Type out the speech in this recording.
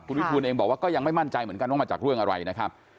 วิทูลเองบอกว่าก็ยังไม่มั่นใจเหมือนกันว่ามาจากเรื่องอะไรนะครับ